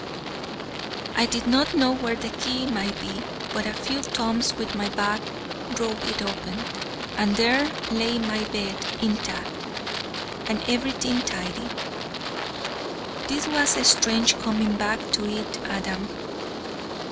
I did not know where the key might be, but a few thumps with my back drove it open: and there lay my bed intact, and everything tidy. This was a strange coming back to it, Adam.